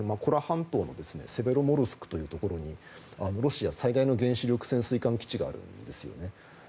コラ半島のセベロモルスクというところにロシア最大の原子力潜水艦基地があるんですよね。